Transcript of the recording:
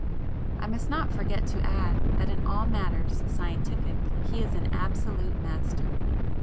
I must not forget to add that in all matters scientific he is an absolute master.